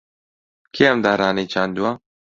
کێ ئەم دارانەی چاندووە؟